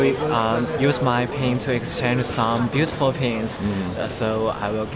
maksud saya saya akan menggunakan pin saya untuk bergantung ke pin yang indah